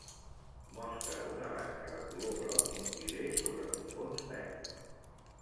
Mostra una branca de color groc d'un til·ler sobre un fons verd.